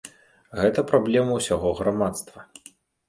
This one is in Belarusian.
Гэта праблема ўсяго грамадства.